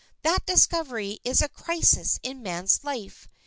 That discovery is a crisis in a man's life.